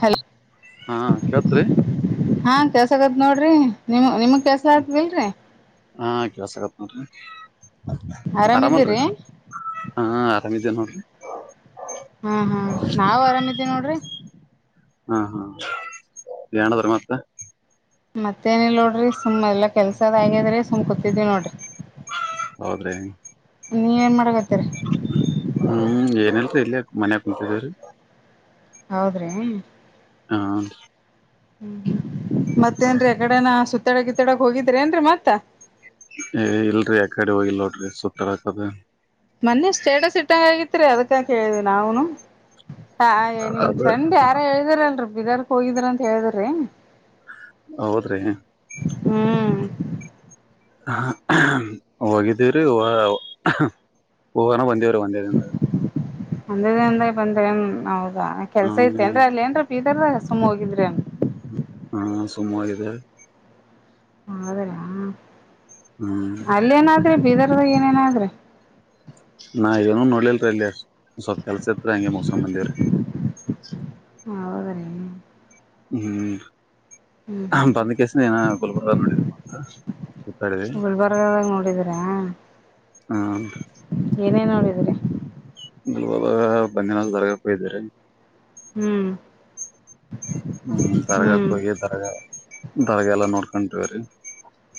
Hello ಹಾ ಕೆಳ್ತ್ ರೀ. ತಗದ ನೋಡ್ರಿ ನಿಮ ನಿಮಗ್ ಕೇಳಸಾಕತ್ತದಿಲ್ರಿ. ಹಂ ಕೆಲ್ಸಾಕತ್ತ ನೋಡ್ರಿ ಆರಾಮ್ ಆರಾಮಿದೀರಿ ಅಲ್ರೀ ಹಾ ಆರ್ ಆರಾಮ್ ಇದ್ದೆವ್ವ್ ನೋಡ್ರ್ ಹಾ ಹಾ ನಾವು ಆರಾಮಿದೇವ್ ನೋಡ್ರಿ. ಹಾ ಹಾ ಏನ್ ನಡದದ ರಿ ಮತ್ತ. ಮತ್ತೇನಿಲ್ಲ ನೋಡ್ರಿ ಸುಮ್ ಎಲ್ಲಾ ಕೆಲ್ಸ ಅದ ಆಗ್ಯದ್ರಿ ಸುಮ್ ಕುತ್ತಿದ್ದೇವ್ ನೋಡ್ರಿ. ಹೌದ್ರಿ. ನೀ ಏನ್ ಮಾಡ ಕತ್ತೀರಿ. ಹ್ಮ್ ಏನಲ್ರಿ ಇಲ್ಲೇ ಮನ್ಯಾಗ ಕುಂತಿದೇವ್ರಿ. ಹೌದ್ರಿ. ಹಾನ್ ರಿ ಹ್ಮ್ ಹ್ಮ್ ಮತ್ತೇನ್ರೀ ಯಕಡೆನ ಸುತ್ತಾಡಕ್ ಗಿತ್ತಡಕ್ ಹೋಗಿದ್ರ ಏನ್ರಿ ಮತ್ತ. ಏ ಇಲ್ರಿ ಯಕಡ ಹೋಗಿಲ್ಲ ನೋಡ್ರಿ ಸುತ್ತಾಡಕ್ ಅದು. ಮೊನ್ನೆ ಸ್ಟೇಟಸ್ ಇಟ್ಟಂಗ ಆಗಿತ್ರಿ ಅದಕ್ಕ ಕೇಳಿದೇವ್ ನಾವನು. ಹಾ ನಿಮ್ ಅದ ಫ್ರೆಂಡ್ ಯಾರ ಹೇಳ್ದಿರಲ್ರರಿ ಬೀದರ್ಕ್ ಹೋಗಿದ್ರ ಅಂತ ಹೇಳಿದರಿ. ಹೌದ್ರಿ. ಹ್ಮ್ ಹ ಹ ಹೋಗಿದ್ದೀವ್ರಿ ಹೊ ಹೋಗಾನ ಒಂದೇ ಒಂದೇ ದಿಂದಾಗ್. ಒಂದೇ ದಿಂದಾಗ್ ಬಂದ್ರ ಏನ್ ಹೌದಾ ಕೆಲ್ಸ ಇತ್ತೇನ್ರೀ ಅಲ್ಲಿ ಏನ್ರ ಬೀದರ್ ದಾಗ್ ಸುಮ್ ಹೋಗಿದ್ರಿ ಅನ್ ಹಾ ಸುಮ್ಮ ಹೋಗಿದೆವ. ಹೌದ್ರ ಹ್ಮ್ ಅಲ್ಲ ಏನ್ ಆದ್ರಿ ಬೀದರ್ ದರ್ ದಾಗ್ ಏನ್ ಏನ್ ಆದ್ರಿ? ನಾ ಏನು ನೋಡ್ಲಿಲ್ರಿ ಅಲ್ಲಿ ಸ್ವಲ್ಪ ಕೆಲ್ಸ ಇತ್ರಿ ಹಂಗೆ ಮುಗಸ್ಕೊಂಡ್ ಬಂದಿವ್ರಿ. ಹೌದ ರೀ. ಹ್ಮ್ ರಿ ಬಂದ್ ಕೇಸಿನ ಇನ್ ಗುಲ್ಬರ್ಗಾ ನೋಡಿನ್ ಬಂದ. ಸುತ್ತಾಡಿದ್ವಿ ಗುಲ್ಬರ್ಗಾ ದಾಗ್ ನೋಡಿದ್ರ್ಯಾ. ಹ ಇವಾಗ ಬಂದಿನಾಲ್ ದರ್ಗಾಕ್ ಹೋಗಿದ್ದೇವ್ ರಿ. ಹ್ಮ್ ಹ್ಮ್ ದರ್ಗಕ ಹ್ಮ್ ಕೋಗಿ ದರ್ಗಾ ದರ್ಗಾ ಎಲ್ಲಾ ನೋಡ್ಕೊಂಡವ್ರಿ.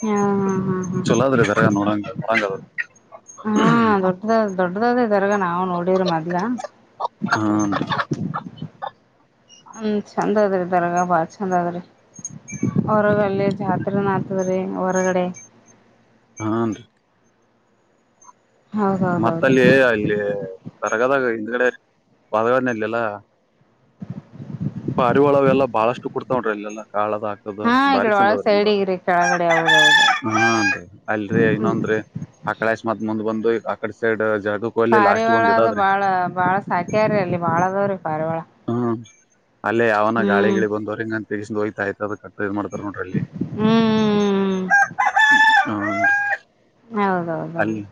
ಹಾ ಹಾ ಹಾ ಚಲೋದ್ರಿ ದರ್ಗಾ ನೋಡಂಗ ನೋಡಂಗದ. ಹಾ ದೊಡ್ಡದ ದೊಡ್ಡದಾದ ದರ್ಗಾ ನಾವು ನೋಡಿವ್ರಿ ಮದ್ಲ. ಹ್ಮ ಹ ಚಂದ ಅದ್ರಿ ದರಗಾ ಭಾಳ ಚಂದ ಆದ್ರಿ ಹೊರಗಲ್ಲಿ ಜಾತ್ರಿನೂ ಆತದ ರಿ ಹೊರಗಡೆ. ಹಾನ್ ರಿ ಮತ್ತ ಹೌದೌದೌದ್ರಿ ಅಲ್ಲಿ ಅಲ್ಲಿ ದರ್ಗಾದಾಗ ಹಿಂದ್ಗಡೆ [unintelligible] ಎಲ್ಲ ಪಾರಿವಾಳ ಅವೆಲ್ಲಾ ಬಾಳಷ್ಟ ಕಕುಡ್ತಾವ ಅಲ್ಲೆಲ್ಲಾ. ಕಾಳದು ಹಾಕದು ಹಾ ಈ ಬಾರಿ ಕಡೆ ಚಂದ ಒಳಗ ಅದ ನೋಡಕ್. ಸೈಡಿಗ್ರಿ ಕೆಳಗಡೆ ಹೌದೌದು ಹ್ಮ ಅಲ್ರರಿ ಇನ್ನೊಂದ್ರೀ ಆಕಳಸ ಮದ ಮುಂದ್ ಬಂದು ಆಕ ಸೈಡ್ ಜಡಕೋಲಿ ಲಾಸ್ಟ್ ಪಾರಿವಾಳ ಒಂದ್ ಅದು ಇದಾದ್ರಿ ಬಾಳ ಬಾಳ ಸಾಕ್ಯ್ರಿ ಅಲ್ಲಿ ಬಾಳ ಅದಾವ್ರಿ ಪಾರಿವಾಳ ಹ್ಮ್ ಅಲ್ಲೇ ಅವಾವನ ಹ್ಮ್ ಗಾಳಿಗಳು ಬಂದ್ರಿನ್ ತಿಗಸ ಹೋಗ್ತಾಯಐತ್ದ ಇದು ಮಾಡ್ತಾರೆ ನೋಡ್ರಿ ಅಲ್ಲಿ ಹ್ಮ್ ಹ್ಮ್ ಹೌದೌದೌದು ಅಲ್ಲಿ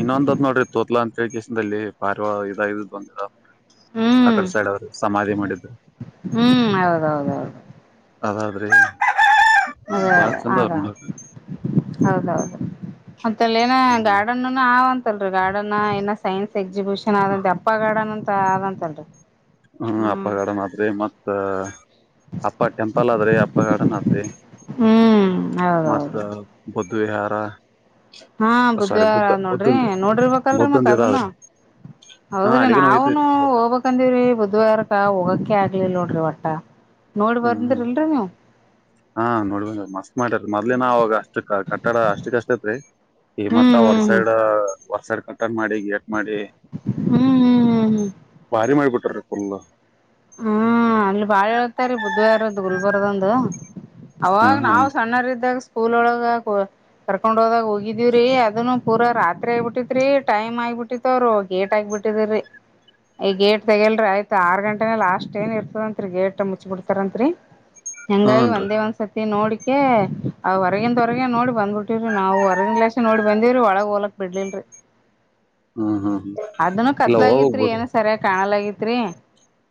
ಇನ್ನೊಂದತ್ ನೋಡ್ರಿ ತೋತ್ಲ ಅಂತ ಕೇಶದಲ್ಲಿ ಪಾರ್ವಾ ಇದ ಇದ್ ಬಂದ ಹ್ಮ್ ಆಕಡೆ ಸೈಡ್ ಅವರು ಸಮಾಧಿ ಮಾಡಿದ್ದರು ಹ್ಮ್ ಹೌದೌದೌದು ಅಾದರೆ ಅದೇ ಆಗ ಹೌದೌದು ಮತ್ತ ಅಲ್ಲಿ ಏನ ಗಾರ್ಡನ್ ಆಂತಲ್ರರಿ ಗಾರ್ಡನ್ ಏನ ಸೈನ್ಸ್ ಎಕ್ಸಿಬಿಷನ್ ಆದಂತ ಅಪ್ಪ ಗಾರ್ಡನ್ ಅಂತ ಆದಂತಲ್ರರಿ ಹ್ಮ ಅಪ್ಪಗಡ ಮಾತ್ರಿ ಮತ್ತ ಅಪ್ಪ ಟೆಂಪಲ್ ಆದ್ರಿ ಅಪ್ಪ ಗಾರ್ಡನ್ ಆದ್ರಿ ಹ್ಮ್ ಮತ್ತ ಹೌದೌದು ಬ ಹಾರ ಹಾ ಬುದ್ಧಿವಾರ್ ನೋಡ್ರಿ ನೋಡರ್ಬೇಕಲ್ರಿ ಮತ್ ಬುದ್ಧಂದ ಇದ ಅದನ್ನು ಆದ್ರಿ ಹಾ ಹೌದ್ರಿ ಅಲ್ಲಿಗನ ಹೋಗಿದ್ವಿರಿ ನಾವನು ಬುದ್ಧ ಹೋಗ್ಬಕ್ಂದಿವವ್ರಿ ಬ ಅಾರಕ ಹೋಗಕ ಆಗ್ಲಿಿಲ್ಲ ನೋಡ್ರಿ ಒಟ್ಟ ನೋಡಿ ಹ್ಮ್ ಹ್ಮ್ ಬಂದ್ರಿಲ್ರಿ ನೀವು ಹಾ ನೋಡ್ಬ ಮಸ್ತ್ ಮಾಡ ಮತ್ ಅಲಿನ ಅವಾಗ ಅಷ್ಟ ಕಟ್ಟಡ ಅಷ್ಟ ಕಷ್ಟ ತ್ರಿ ಈ ಹ್ಮ್ ಮತ್ತ ಹೊರ್ ಹ್ಮ್ ಸೈಡ್ ಹೊರ್ಸಡ್ ಕಟ್ಟನ್ ಮಾಡಿ ಗೇಟ್ ಮಾಡಿ ಹ್ಮ್ ಹ್ಮ್ ಹ್ಮ್ ಹ್ಮ್ ಹ್ಮ್ ಭಾರಿ ಮಾಡಿಬಿಟ್ರ ಒಲ್ಲ ಹ್ಮ್ ಅಲ್ಲಿ ಬಾಳ ಹೇಳ್ತಾರೀ ಬುದಧ್ವಾರದ್ದ ಗುಲ್ಬರ್ದಂದು ಹಾ ಅವಾಗ ಹಾ ನಾವ್ ಸಣ್ಣರ ಇದಿದ್ದಾಗ ಸ್ಕೂಲ್ ಒಳಗ ಕರ್ಕೊಂಡ್ ಹೋದಾಗ ಹೋಗಿದೀವ್ರೀ ಅದನ್ನು ಪೂರ ರಾತ್ರಿ ಆಗಬಿಟ್ಟಿತ್ರಿ ಟೈಮ್ ಆಯ ಬಿಟ್ಟಿತ್ರು ಗೇಟ್ ಆಗಿಬ ಬಿಟ್ಟಿದರಿ ಈ ಗೇಟ್ ತೆಗಲ್ರಿ ಆಯ್ತ ಆರ್ ಗಂಟೆ ಲಾಸ್ಟ್ ಏನ್ ಇರ್ತದಂತ್ರಿ ಗೇಟ್ ಮುಚ್ಚಿ ಬಿಡ್ತಾರಂತರಿ ಹೆಂಗಾಗಿ ಹನ್ರಿ ಒಂದೇ ಒಂದ್ಸತಿ ನೋಡಿ ಅ ಅ ಹೊರಗಿಂದ ಹೊರಗ ನೋಡಿ ಬಂದ್ಬಿಟ್ಟಿ್ರರಿ ನಾವು ಹೊರಗಿನನ್್ಲಾಾಸೆ ನೋಡಿ ಬಂದೇವ್ರಿ ಒಳಗ್ ಹೋಲಕ್ ಬಿಡ್ಲಲ್ರರಿ ಹ್ಮ್ ಹ್ಮ್ ಅದನ್ನು ಇಲ್ಲ ಹೋಗ್ಬೇಕ್ ಕತ್ಲಾಗಿತ್ರಿ ಬಿಡ್ರಿ ಏನು ಸರಿಯ ಕಾಣಲಾಗ ತ್ರಿ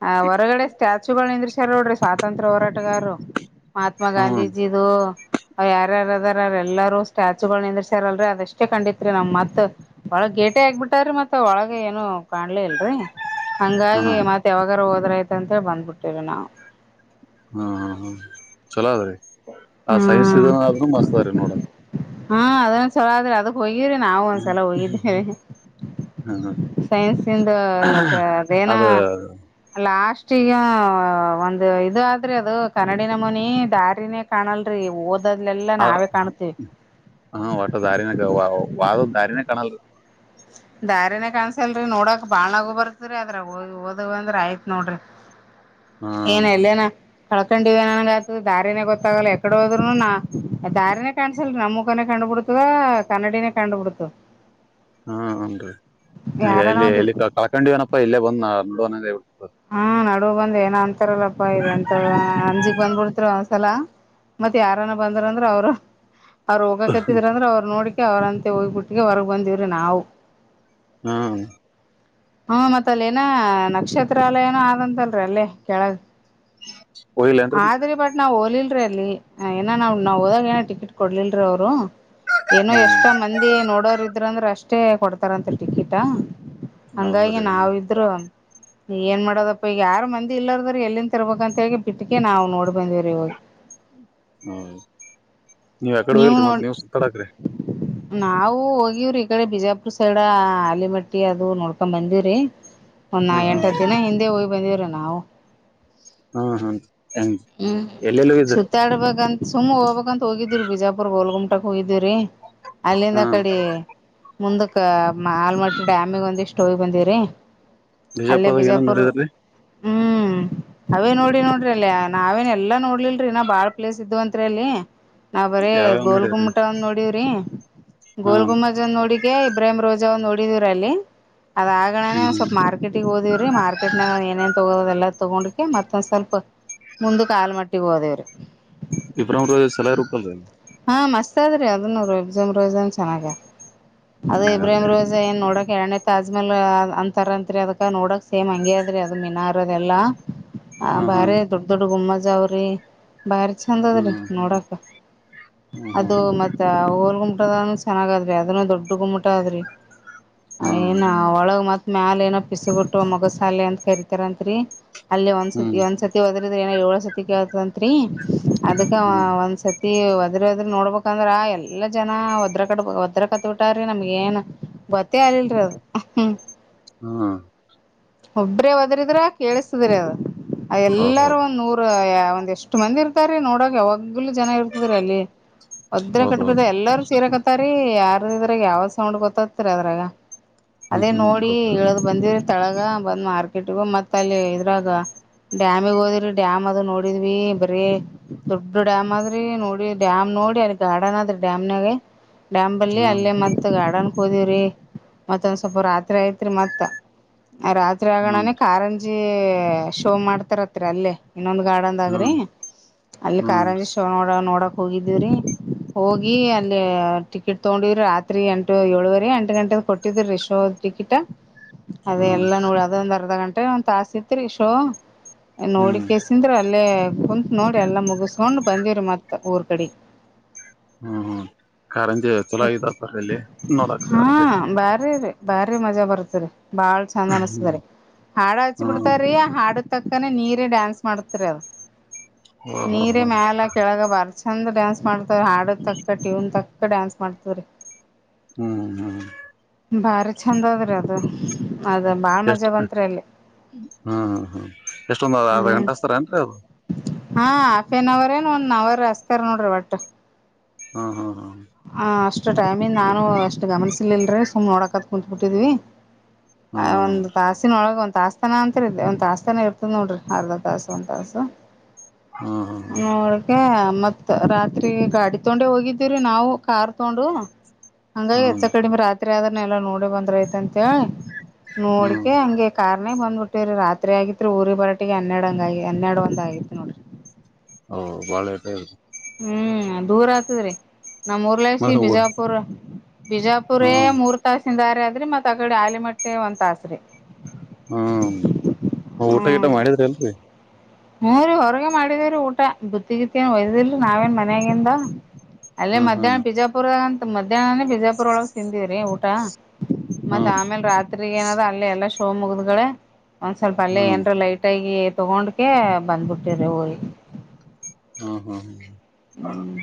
ಆ ಹೊರಗಡೆ ಸ್ಟ್ಯಾಚುಗಳು ನಿಂದ್ರಷಾರ್ ನೋಡ್ರಿ ಸ್ವಾತಂತ್ರ್ಯ ಹೋರಾಟಗಾರ ಮಹಾತ್ಮ ಹ್ಮ್ ಗಾಂಧೀಜಿದು ಯಾರ್ಯಾರದಾರ ಎಲ್ಲಾರೂ ಸ್ಟ್ಯಾಚುಗಳು ನಿಂದರ್ಸ್ಯಾರಲ್ರರಿ ಅದಷ್ಟೇ ಕಂಡಿತ್ರಿ ನಮ್ ಮತ್ ಬಾಳ ಗೇಟೆ ಆಗ್ಬಿಟ್ಟಾರೀ ಮತ್ತೆ ಒಳಗ ಏನು ಕಾಣಲಿ ಇಲ್ರರಿ ಹಾ ಹಂಗಾಗಿ ಹಾ ಮತ್ತ್ ಯಾವಾಗಾರ ಹೋದ್ರಯತ ಅಂತ ಬಂದ್ಬಿಟ್ಟೇವ ನಾವು ಹ್ಮ ಹಾ ಹ್ಮ ಚಲೋದ್ರೀ ಆ ಸೈನ್ಸ್ ಇದನ್ ಆದೂ ಮಸ್ತ್ರೀ ನೋಡಕ್ ಹ್ಮ ಅದಂದ ಚಲೋ ಆದ್ರಿ ಅದಕ್ ಹೋಗಿ್ರರಿ ನಾವವು ಹ್ಮ ಒಂದ್ಸಲ ಹೋಗಿದೇ್ರರಿ ಹ್ಮ ಸೈನ್ಸ ಇಂದ ಅದೇನ ಅದ ಲಾಸ್ಟ್ ಈಗ ಒಂದು ಇದು ಆದ್ರಿ ಅದು ಕನ್ನಡಿನ ಮುನಿ ದಾರಿನೇ ಕಾಣಲ್ರರಿ ಓದ ಹ ಹಾ ವಟ ದಧಾರಿ ವದು ದಧಾರಿ ಕಣಲು ದಾರಿನ ಕಾಣಸಲ್ರರಿ ನೋಡಕ್ ಬಾಳ್ನಗು ಬರ್ತ್ರಿ ಅದ್ರ ಹಓದ ಅಂದ್ರ ಆಯ್ತ್ ನೋಡ್ರಿ ಹ್ಮ ಏನ ಎಲ್ಲೇನ ಕಳ್ಕೊಂಡಿವ ನನ್ ಆತ ದಾರಿನೇ ಗೊತ್ತಾಗಲ್ಲ ಎಕಡೆ ಹೋದ್ರುನು ನಾ ದಾರಿನೇ ಕಾಣಸಲ್ರಿ ನಮ್ಮ ಮುಖನೇ ಕಾಣ ಕಂಡುಬಿಡ್ತದ ಕನ್ನಡಿನೇ ಕಂಡು ಬಿಿಡ್ತು ಹ್ಮ ಹನ್ರಿ ಇಲ್ಲಿ ಒಂದ್ ಇಲ್ಲಿ ಕಳ್ಕೊಂಡಿವನಪ್ಪಾ ಇಲ್ಲೇ ಬಂದ್ ನೋಡುವನ ಹಾ ನಡುುವ ಬಂದ್ ಏನ ಅಂತಾರಲ್ಲಪ್ಪಾ ಇ ಎಂತ ಅಂಜಿ ಬಂದ್ಬಿಡ್ತ ಒಂದ್ಸಲ ಮತ್ತತ್ ಯಾರನ ಬಂದಾರ ಅಂದ್ರ ಅವರು ಅವ್ರರು ಹೋಗಕತ್ತಿದ್ರ ಅಂದ್ರೆ ಅವ್ರು ನೋಡಕ ಅವ್ರಂತೆ ಹೋಗಿಬಿಟ್ಟಿಗೆ ಹೊರಗ್ ಬಂದಿವವ್ರಿ ನಾವು ಹ್ಮು್ ಹ್ಮ ಮತ್ತ ಅಲ್ಲಿ ಏನೋ ನಕ್ಷತ್ರಾಲಯನೂ ಆದಂತಲ್ರಿ ಅಲ್ಲೇ ಕೆೇಳಗೆ ಹೋಗಿಲ್ಲೇನ್ರಿ ಆದ್ರೆ ಬಟ್ ನಾವು ಇಲ್ಲಲಿರಿ ಅಲ್ಲಿ ಏನ ನಾವ್ ನಾವೊದಾಗ ಏ ಟಿಕೆಟ್ ಕೊಡ್ಲಲ್ರೀ ಅವ್ರು ಏನೋ ಎಷ್ಟು ಹ್ಮ್ ಮಂದಿ ನೋಡೋರು ಇದ್ರು ಅಂದ್ರೆ ಅಷ್ಟೇ ಕೊಡ್ತಾರಂತ ಟಿಕಿಟ ಹಂಗಾಗಿ ಹೌದ್ರಿ ನಾವಿದ್ರು ಏನ್ ಮಾಡೋದಪ್ಪ ಈಗ ಯಾರ ಮಂದಿ ಇಲ್ಲಾರದರ್ ಎಲ್ಲಿಂದ ತರ್ಬೇಕ್ ಅಂತ ಹೇ ಬಿಟ್ಟಿಕೆ ನಾವ್ ನೋಡ್ ಬಂದಿವ್ರಿ ಇವಾಗ್ [unintelligible] ಹ್ಮ್ ನೀವ್ ಆಕಡೆ ನೀವು ಹಲ್ರಿ ಮತ್ ನೋಡ್ ನೀವ್ ಸುಪರಾಕ್ರಿ ನಾವು ಹೋಗಿವ್ರಿ ಈ ಕಡೆ ಬಿಜಾಪುರ್ ಸೈಡ್ ಆಲಿಮಟ್ಟಿ ಅದು ನೋಡ್ಕೊಂಡ್ ಬಂದಿವ್ರಿ ಒಾ ಹ್ಮ್ ಹ್ಮ್ ಎಂಟರ ದಿನ ಹಿಂದೆ ಹೋಗ್ ಬಂದವ್ರೀ ನಾವು ಹ್ಮ ಹ್ಮ ಹೆಂಗ ಹ್ಮ್ ಎಲ್ಲೆಲ್ಲೂ ಇದ್ರ ಸುತ್ತಾಡ್ಬೇಕಂತ ಸುಮ್ಮ್ ಹೋಗ್ಬೇಕಂತ ಹೋಗಿದೀರಿ ಬಿಜಾಪುರ್ ಗೋಲ್ ಗುಮಟಕ್ ಹೋಗಿದ್ದಿ್ರರಿ ಅಲ್ಲಿಂದ ಹಾ ಅಕಡಿ ಮುಂದಕ್ಕ ಮಾಲ್ಮಟ್ಟ್ ಡ್ಯಾಮಿಗೆ ಒಂದಿಷ್ಟು ಹೋಗಿ ಬಂದಿವ್ರಿ ಅಲ್ಲೇ ಬಿಜಾಪುರದಾಗ ಏನೋ ಬಿಜಾಪುರ್ ನೋಡಿದ್ರಿ ಹ್ಮೂ್ ಅವೇ ನೋಡಿ ನೋಡ್ರಿ ಅಲ್ಲೆ ನಾವೇನ್ ಎಲ್ಲಾ ನೋಡ್ಲಿಲ್ರಿ ಇನ್ನ ಬಾಳ್ ಪ್ಲೇಸ್ ಇದ್ದಂತ್ರಿ ಅಲ್ಲೀ ನಾವ್ ಬರೀ ಯಾವ್ಯಾವ ಗೋಲ್ ನೋಡಿದ್ರಿ ಗುಮಟಂದ ನೋಡವ್ರಿ ಗೋಲ್ ಹ್ಮ್ ಗುಮ್ಮಜ್ ನೋಡಿಗೆ ಪ್ರೇಮ್ ರೋಜ ನೋಡಿದಿರ ಅಲ್ಲಿ ಅದಾ ಆಗಣೇ ಹ್ಮ್ ಹ್ಮ್ ಸ್ವಲ್ಪ ಮಾರ್ಕೆಟ್ ಗೋದಿವ್ರಿ ಮಾರ್ಕೆಟ್ನಾಗ ಏನೇನ್ ತಗೋಕ ಎಲ್ಲ ತಗೊಂಡ್ಕ ಮತ್ತೊಂದ್ ಸ್ವಲ್ಪ ಮುಂದಕ ಆಲಮಟ್ಟಿಗ್ ಹೋದೇವ್ರಿ ಇಬ್ರಾಮ್ ರೋಜ ಚಲೊ ಇರಬೇಕಲ್ಲ ಹಾ ಮಸ್ತಗದೆ ಅದನ್ನು ರುಬ್ಜುಮ್ ರೋಜನ್ ಚೆನ್ನಾಗ ಅದು ಇಬ್ರಾಹಿಂ ಚೆನ್ನಾಗಾದ್ರಿ ರೋಜಾ ಏ ನೋಡಕ್ ಎಣ್ಣ್ ತಾಜ್ಮಾಲ್ ಅಂತರಂತ್ರಿ ಅದುಕ್ಕ ನೋಡಕ್ ಸೇಮ್ ಹಂಗೆ ಅದ್ರಿ ಅದು ಮೀನಾರ್ ಎಲ್ಲಾ ಆ ಹ್ಮ್ ಹ್ಮ್ ಬಾರಿ ದೊಡ್ಡ್ ದೊಡ್ಡ್ ಗೊಮ್ಮಜವ್ರಿ ಬಾರಿ ಚಂದ ಅದ್ರಿ ಹ್ಮ್ ನೋಡಕ ಹ್ಮ್ ಅದು ಹ್ಮ್ ಮತ್ತಾ ಹೋಲ್ ಗುಮಟದಾನು ಚೆನ್ನಾಗದ್ರಿ ಅದನ್ನು ದೊಡ್ಡ ಗುಮ್ಮಟ ಅದ್ರಿ ಹ್ಮ್ ಏನಾ ಒಳಗ್ ಮತ್ ಮ್ಯಾಲ ಏನ ಪಿಸಬಿಟ್ಟುಗುವ ಮಗಸಾಲೆ ಅಂತ ಕರಿತಾರತ್ರಿ ಅಲ್ಲಿ ಹ್ಮ್ ಒಂದ್ಸತಿ ಹ್ಮ್ ಒಂದ್ಸತಿ ಹೋದ್ರಿದ್ರ ಏನೋ ಏಳ ಸತಿ ಕೇಳ್ತಂತ್ರಿ ಅದಕ್ಕಾ ಹ್ಮ್ ಒಂದ್ ಸತಿ ಎವದ್ [inaudible] ಇರೊದನ್ ನೋಡ್ಬೇಕಂದ್ರ ಎಲ್ಲಾ ಜನ ಒದ್ರ ಕಟ್ಟ ಒದ್ರ ಕತ್ಬಿಟ್ಟೇರೆ ನಮ್ಗೇನ್ ಗೊತ್ತಗ್ ಹೇಳಿಲ್ ಅವ್ರು ಹುಹ್ಮು ಹ್ಮೂ ಒಬ್ರೇ ಹೊದಿರಿದ್ರ ಕೇಳಸ್ತದ್ರಿ ಅವಲ್ಲಾರೂ ಹೌದೌದು ಒಂದ್ ನೂರು ಒಂದ್ ಅಷ್ಟ್ ಮಂದಿ ಇರ್ತಾರ್ರಿ ನೋಡಕ್ ಯಾವಾಗ್ಲೂ ಜನ ಇರ್ತದ್ರಿ ಅಲ್ಲಿ ಒದ್ರೆಕಟ್ಬದ್ ಹೌದೌದು ಎಲ್ಲರೂ ಸೇರಕತ್ತ್ ಸರೀ ಯಾರುರ್ದುಗ ಯಾವ್ದ್ ಸೌಂಡ್ ಬತ್ತತ್ರೀ ಅದ್ರಾಗ ಹ್ಮ್ ಅದೇ ಹ್ಮ್ ನೋಡೀ ಗೊತ್ತಾಗ ಇಳದ್ ಬಂದಿವಿ ತಳಗ ಬಂದ್ ಮಾರ್ಕೆಟ್ಗೊಗಿ ಮತ್ ಅಲ್ಲಿ ಇದ್ರಾಗ ಡ್ಯಾಮ್ ಹೋಗಿವ್ರಿ ಡ್ಯಾಮ್ ಅದ ನೋಡಿದ್ವಿ ಬರೀ ದೊಡ್ಡ ಡ್ಯಾಮ್ ಆದ್ರಿ ನೋಡಿದ್ ಡ್ಯಾಮ್ ನೋಡಿ ಅಲ್ಲಿ ಗಾರ್ಡನ್ ಆದ್ರಿ ಡ್ಯಾಮ್ ನಾಗ ಡಾಮ್ ಬಲ್ಲಿ ಹ್ಮ್ ಅಲ್ಲೇ ಮತ್ತ ಗಾರ್ಡನ್ ಕೋದಿವ್ರಿ ಮತ್ತೊಂದ್ ಸ್ವಲ್ಪ ರಾತ್ರಿ ಆಯಿತ್ರಿ ಮತ್ತ ಆ ರಾತ್ರಿ ಹ್ಮ್ ಆಗೋಣನೆ ಕಾರಂಜ್ ಏಏ ಶೋ ಮಾಡ್ತಾರಂತ್ರಿ ಅಲ್ಲೇ ಇನ್ನೊಂದ್ ಗಾರ್ಡನ್ದಾಗ ರಿ ಹ್ಮ್ ಅಲ್ಲಿ ಹ್ಮ್ ಹ್ಮ್ ಕಾರಂಜಿ ಶೋ ನೋಡ ನೋಡಕ್ ಹೋಗಿದೀವ್ರಿ ಹೋಗಿ ಅಲ್ಲಿ ಟಿಕೆಟ್ ತಗೊಂಡಿದಿವ್ರಿ ರಾತ್ರಿ ಎಂಟು ಏಳುವರೆ ಎಂಟ್ಗಂಟೆದ್ ಕೊಟ್ಟಿದ್ರು ರಿ ಶೋ ಟಿಕಿಟ್ಟ ಅದೇ ಹ್ಮ್ ಎಲ್ಲಾ ನೋಡು ಅದೊಂದ್ ಅರ್ಧ ಗಂಟೆ ಒಂದ್ ತಾಸ ಇತ್ರಿ ಶೋ ಹ್ಮ್ ನೋಡ್ಕಸಿಂದ್ರ ಅಲ್ಲೇ ಕುಂತ್ ನೋಡಿ ಎಲ್ಲಾ ಮುಗಿಸಸ್ಕೊಂಡ್ ಬಂದಿವ್ರಿ ಮತ್ತೆ ಊರ್ ಕಡಿ ಹ್ಮ್ ಹ್ಮ್ ಕಾರಂಜಿ ಚಲೊ ಆಗೈತ್ರಪ್ಪ ಅಲ್ಲಿ ನೋಡಕ್ಕ ಹಾ ಲ್ಲಿ ಬಾರಿ ರೀ ಬಾರಿ ಮಜಾ ಬರುತ್ತರಿ ಬಾಳ್ ಚಂದ ಹ್ಮ್ ಅನಸ್ತರಿ ಹಾಡು ಹಚ್ ಹ್ಮ್ ಬಿಡ್ತಾರೀ ಆ ಹಾಡು ತಕ್ಕನೆ ನೀರೇ ಡಾನ್ಸ್ ಮಾಡ್ತಿರಿ ಓ ಹ ನೀರ ಮ್ಯಾಲ ಕೆಳಗ ಬಾರಸ್ ಚಂದ್ ಡ್ಯಾನ್ಸ್ ಮಾಡ್ತವ ಹಾಡ ತಕ್ಕ ಟ್ಯೂನ್ ತಕ್ಕ ಡ್ಯಾನ್ಸ್ ಮಾಡ್ತವ್ರಿ ಹ್ಮ್ ಹ್ಮ್ ಬಾರಿ ಚಂದ ಅದ್ರಿ ಅದು ಅದ ಬಾಳ ಮಜಾ ಬಂತ್ರಿ ಅಲ್ಲಿ. ಹ್ಮಹ್ಮ್ ಎಷ್ಟೊಂದ ಆರ್ಧ ಹ್ಮ್ ಗಂಟೆತಾರೇನ್ರಿ ಅದು. ಹಾ ಆಫ್ ಆನ್ ಅವರ್ ಏನ್ ಒಂದನ್ ಅವರ್ ಅಸ್ತಾರ ನೋಡ್ರಿ ಒಟ್. ಹಾ ಹಾ ಹಾ ಹ ಅಷ್ಟು ಟೈಮಂಗ ನಾನು ಅಷ್ಟು ಗಮನಿಸಲಲ್ರರಿ ಸುಮ್ನೆ ನೋಡಕತ್ ಕುಂತ್ ಬಿಟ್ಟಿದ್ವಿ. ಹ್ಮ್ ಒಂದು ತಾಸಿನೊಳಗ ತಾಸ್ತಾನ ಅಂತ ಇದೆ ಒಂದ್ ತಾಸ್ತಾನ ಇರ್ತದ ನೋಡ್ರಿ ಅರ್ಧ ತಾಸು ಒಂದ ತಾಸು. ಹ್ಮ್ ಹ್ಮ್ ನೋಡ್ಕ ಮತ್ ರಾತ್ರಿ ಗಾಡಿ ತೊಂಡೆ ಹೋಗಿದ್ದೀವ್ರರಿ ನಾವು. ಕಾರ್ ತಾಂಡು ಹಂಗೇ ಹ್ಮ್ ಎಚ್ಚ ಹ್ಮ್ ಕಡಿಮೆ ರಾತ್ರಿ ಆಗನ ಎಲ್ಲಾ ನೋಡಿ ಬಂದ್ರಐತೇ ಹ್ಮ್ ನೋಡಿಕೆ ಹಂಗೆ ಕಾರ ಬಂದ್ಬಿಟ್ಟೇರಿ ರಾತ್ರಿ ಆಗಿತ್ರಿ ಊರಿ ಬರಾಟಿಗೆ ಹನ್ನೆರಡು ಹಂಗ ಹನ್ನೆರಡು ಒಂದ ಆಗಿತ್ ನೋಡ್ರಿ. ಹಓ ಬಾಳೆಟ. ಹ್ಮ್ ದೂರ ಆತದ್ರಿ ನಮ್ಮ್ ಊರ್ಲೈಸ ಬಿಜಾಪುರ್ ಬಿಜಾಪುರ ಹ್ಮ್ ಮೂರ್ ತಾಸಿಂದಾರಿ ಅದ್ರಿ ಮತ್ ಅಗಡೆ ಆಲಿಮಟ್ಟೆ ಒಂದ್ ತಾಸ್ರರಿ. ಹ್ಮ ಊಟ ಗಿಟ ಮಾಡಿದ್ರಿ ಅಲ್ರಿ. ಹ್ಮ ರಿ ಹೊರಗೆ ಮಾಡಿದೇವ್ರೀ ಊಟ ಬುತ್ತಿಗಿತ್ತೇನ್ ಒಯ್ದಿಲ್ರಿ ನಾವೇನ್ ಮನ್ಯಗಿಂದ. ಅಲ್ಲೇ ಹ್ಮ್ ಮಧ್ಯಾಹ್ನ ಹ್ಮ್ ಬಿಜಾಪುರ ಅಂತ ಮಧ್ಯಾಹ್ನನೇ ಬಿಜಾಪುರ ಒಳಗ ತಿಂದಿವವ್ರಿ ಊಟ. ಹ್ಮ್ ಮತ್ತತ್ ಆಮೇಲ್ ರಾತ್ರಿ ಏನದ ಅಲ್ಲಿ ಎಲ್ಲಾ ಶೋ ಮುಗ್ದ್ಗಳ. ಒಂದ್ ಸ್ವಲ್ಪ ಅಲ್ಲೇ ಹ್ಮ್ ಏನ್ರ ಲೈಟ್ ಆಗಿ ತಗೊಂಡಕ ಬಂದ್ಬಿಟ್ಟಿ ರಿ ಊರಿ. ಹ್ಮ ಹ್ಮ ಹ್ಮ ಹ್ಮ್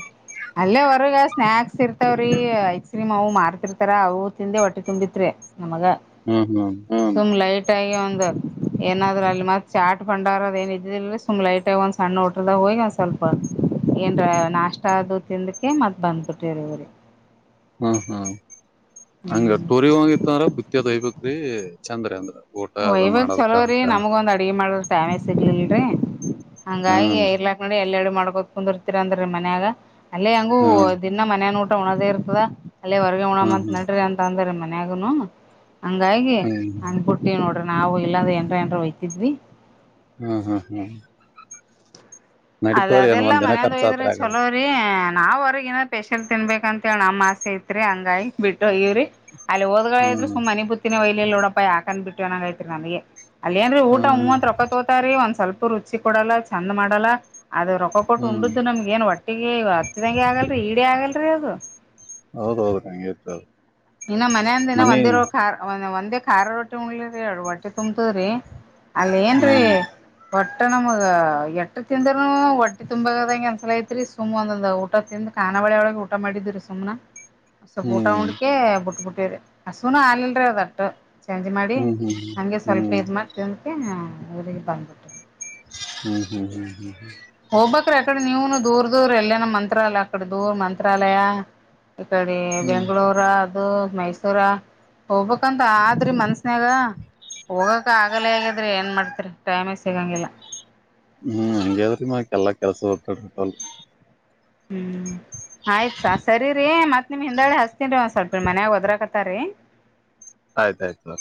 ಅಲ್ಲೇ ಹೊರಗ ಸ್ನಾಯಕ್ಸ್ ಇರ್ತವ್ರಿ ಐಸ್ ಕ್ರೀಮ್ ಅವು ಮಾರ್ತಿರ್ತಾರ ಅವು ತಿಂದೆ ಹೊಟ್ಟಿ ತುಂಬಿತ್ರಿ. ನಮಗ ಹ್ಮ್ ಹ್ಮ್ ಹ್ಮ್ ಸುಮ್ ಲೈಟ್ ಆಗಿ ಒಂದು. ಏನಾದ್ರರು ಅಲ್ಲಿ ಮತ್ತತ್ ಚಾಟ್ ಬಂಡಾರದ ಏನ್ ಇದ್ದಿಲ್ಲಲ್ರಿ ಸುಮ್ ಲೈಟ್ ಆಗಿ ಒಂದ್ ಸಣ್ಣ ಒಟ್ರದಾಗ ಹೋಗಿ ಒಂದ್ ಸ್ವಲ್ಪ. ಏನ್ರ ನಾಷ್ಟ ಅದು ತಿಂದಕ ಮತ್ ಬಂದ್ಬಿಟ್ರಿರಿ ಇವ್ರಿ. ಹ್ಮ ಹ್ಮ ಹಂಗ ಹ್ಮ್ ಟೋರಿ ಹಂಗಿತ್ತ್ರ ಬತ್ಯದಯಬೇಕ. ಇ ಚಂದ್ರೇಂದ್ರ. ವಯವಾಗ ಚಲೋರಿ ನಮಗ ಒಂದ್ ಅಡ್ಗೆ ಮಾಡ್ರ ಡ್ಯಾಮೇಜ್ ಸಿಗ್ಲಲ್ರಿ. ಹಂಗಾಗಿ ಹ್ಮ್ ರ್ಲಾಕ್ ನೋಡಿ ಎಲ್ಲೆರಡು ಮಾಡ್ಕೋ ಕುಂದ ಇರ್ತೀರಂದ್ರರಿ ಮನ್ಯಾಗ. ಅಲ್ಲೇ ಹಂಗ ಹ್ಮ್ ದಿನ ಮನಯನ್ ಊಟ ಉಣದ ಇರ್ದ ಅಲ್ಲೇ ಹೊರಗೆ ಉಣಮ್ ಅಂತ ಹ್ಮ್ ನಡ್ರಿ ಅಂತ ಅಂದ್ರ ಮ. ಮನ್ಯಾಗ ನು ಹಂಗಾಗಿ ಹ್ಮ್ ಹಟ್ಟ. ನೋಡ್ರಿ ನಾವು ಇಲ್ಲಾಂದ್ರ ಎಏನ್ರ ಎನ್ರ ಒಯ್ತಿದ್ವಿ. ಹ್ಮ್ ಹ್ಮ್ ಹ್ಮ್. ಅದ ನಡೀತವ್ರಿ ಏನ್ ಅದೆಲ್ಲಾ ಒಂದ್ ದಿನ ಮನಯಂದ ಖರ್ಚ ಒಯ್ದ್ರಿ ಆತ್ರ ಆಗದು ಚಲೋರಿ. ನಾವ್ ಹೊರಗನ ಸ್ಪೆಷಲ್ ತಿನ್ಬೇಕ ಅಂತೇಳಿ ನಮ್ಮ ಆಸೆ ಐತ್ರಿ ಹಂಗಾಗಿ ಬಿಟ್ಟ. ಇವ್ರರಿ ಅಲ್ಲಿ ಹೋದ್ಗಳ ಇದ್ರರು ಹ್ಮ್ ಸುಮ್ಮ್ನೆ ಪುತ್ತಿನ ವೈಲಿಲ್ಲಿ ನೋಡಪ ಹಾಕನ್ ಬಿಟ್ಟು ಅನಂಗೈತ್ರಿ ನನಗೆ. ಅಲ್ಲ ಏನ್ರಿ ಊಟ ಹ್ಮ್ ಹೂವಂದೊತ್ ರೊಕ್ಕ ತಗೋತಾರೆ ಒಂದ್ ಸ್ವಲ್ಪ ರುಚಿ ಕೊಡಲ್ಲ ಚಂದ ಮಾಡಲ್ಲ. ಅದು ರೊಕ್ಕ ಕೊಟ್ಟು ಹ್ಮ್ ಉಂಡ್ದು ನಮ್ಗ ಏನ್ ಒಟ್ಟಿಗೆ ಹತ್ತದಂಗೆ ಆಗಲ್ರರಿ ಈಡೇ ಆಗಲ್ರರಿ ಅದು. ಹೌದ ಹೌದು ಹಿರ್ತ. ಇನ್ನ ಮನಂದಿನ ಒಂದೇ ರಿ ಖಾರ್ ಒಂದೇ ಖಾರ ರೊಟ್ಟಿ ಉಣ್ಲಿರಿ ಎ ರಟ್ಟಿ ತುಂಬತದ್ರಿ. ಅಲ್ಲ ಏನ್ರೀ. ಹ್ಮ್ ಹೊಟ್ಟೆ ನಮಗ ಎಟ್ಟ ತಿಂದ್ರರು ಒಟ್ಟಿ ತುಂಬದಂಗಗೆ ಅನ್ಸಲೈತ್ರಿ ಸುಮ್ ಒಂದೊಂದ ಊಟ ತಿಂದ ಕಖಾನ ಬಳಿ ಒಳ ಊಟ ಮಾಡಿದಿರಿ ಸುಮ್ನ ಸ್ವಪ ಊಟ ಉಂಡಿ. ಹ್ಮ್ ಬುಟ್ಟಬುಟ್ಟಿ ರರಿ ಹಸುನು ಆಲ್ಲ್ರೀ ಅದಟ್ಟ. ಚೇಂಜ್ ಮಾಡಿ ಹ್ಮ್ ಹ್ಮ್ ನನಗೆ ಸ್ವಲ್ಪ ಇದು ಹ್ಮ್ ಮಾಡಿ ತಿಂದಕ ಇರಿಗೆ ಬಂದುಬಿಟ್. ಹ್ಮ್ ಹ್ಮ್ ಹ್ಮ್ ಹ್ಮ್ ಹ್ಮ. ಹೋಗ್ಬೇಕ್ರಿ ಅಕಡೆ ನೀವನು ದೂರ್ ದೂರ ಎಲ್ಲೇನ ಮಂತ್ರಾಲಯ ಅಕಡೆ ದೂರ್ ಮಂತ್ರಾಲಯ. ಈ ಕಡೆ ಹ್ಮ್ ಬೆಂಗಳೂರು. ಅದು ಮೈಸೂರ ಹೋಗ್ಬೇಕಂತ ಆದ್ರಿ ಮನ್ಸನ್ಯಾಗ. ಹೋಗಕ ಆಗಲ ಹೇಗಿದ್ರಿ ಏನ್ ಮಾಡ್ತರಿ ಟೈಮೇ ಸಿಗಂಗಿಲ್ಲ. ಹ್ಮ್ ಹಂಗದ್ರಿ ಮಕ ಎಲ್ಲಾ ಕೆಲಸ ಹರ್ತಾಡತಲ್. ಹ್ಮ್ ಆಯ್ತ್ಸ ಸರಿ ಮತ್ ನಿಮ್ ಹಿಂದಾಡಿ ಹಸ್ತನ್ ಒಂದ್ ಸ್ವಲ್ಪ ಮನ್ಯಾಗ ಹೊದ್ರಕತಾರಿ. ಆಯ್ತಾಯ್ತು ಮ.